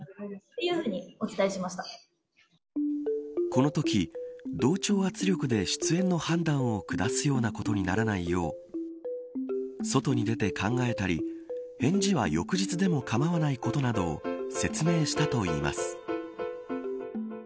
このとき、同調圧力で出演の判断を下すようなことにならないよう外に出て考えたり返事は翌日でも構わないことなどを説明したといいます。